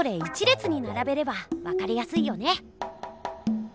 １れつにならべればわかりやすいよね！